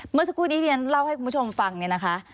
เมื่อสักครู่นี้เรียนเล่าให้คุณผู้ชมฟังเนี่ยนะคะ